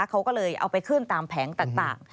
เขาก็เลยเอาไปขึ้นตามแผงต่าง